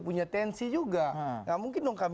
punya tensi juga gak mungkin dong kami